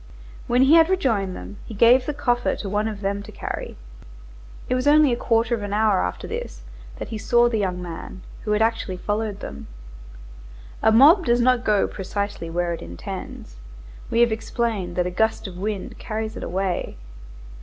When he had rejoined them, he gave the coffer to one of them to carry. It was only a quarter of an hour after this that he saw the young man, who had actually followed them. A mob does not go precisely where it intends. We have explained that a gust of wind carries it away.